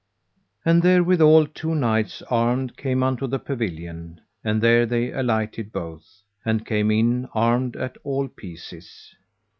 And therewithal two knights armed came unto the pavilion, and there they alighted both, and came in armed at all pieces.